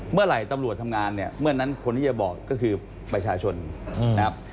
เมื่อไหร่ตำรวจทำงานเนี่ยเมื่อนั้นคนที่จะบอกก็คือประชาชนนะครับ